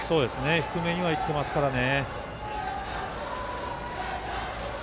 低めにはいってますからね。